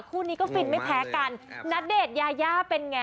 คู่นี้ก็ฟินไม่แพ้กันณเดชน์ยายาเป็นไง